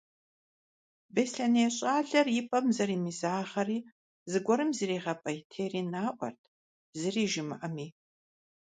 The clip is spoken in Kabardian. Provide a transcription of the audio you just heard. Беслъэней щӏалэр и пӀэм зэримызагъэри зыгуэрым зэригъэпӀейтейри наӀуэт, зыри жимыӀэми.